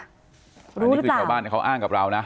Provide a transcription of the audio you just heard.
รู้หรือเปล่านี่คือชาวบ้านเขาอ้างกับเรานะ